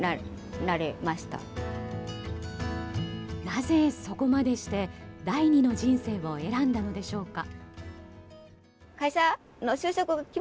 なぜ、そこまでして第２の人生を選んだのでしょうか。